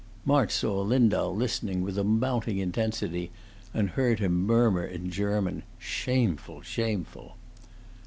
March saw Lindau listening with a mounting intensity, and heard him murmur in German, "Shameful! shameful!"